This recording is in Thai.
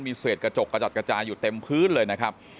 มีเศษกระจกกระจัดกระจายอยู่เต็มพื้นเลยนะครับ